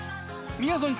みやぞん